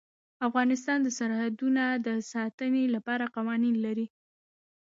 افغانستان د سرحدونه د ساتنې لپاره قوانین لري.